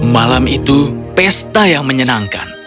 malam itu pesta yang menyenangkan